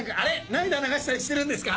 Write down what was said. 涙流したりしてるんですか？